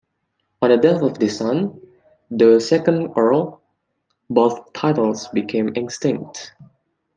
On the death of his son, the second Earl, both titles became extinct.